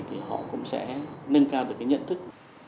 thì họ cũng sẽ nâng cao được nhận thức